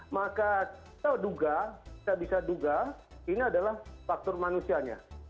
maka kita bisa duga ini adalah faktor manusianya